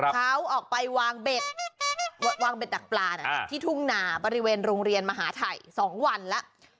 เขาออกไปวางเบ็ดวางเบ็ดดักปลาที่ทุ่งนาบริเวณโรงเรียนมหาชัย๒วันแล้ว